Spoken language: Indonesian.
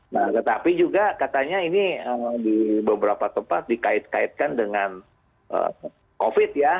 nah tetapi juga katanya ini di beberapa tempat dikait kaitkan dengan covid ya